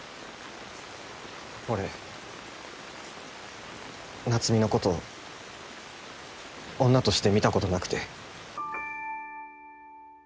俺夏海のこと女として見たことなくて。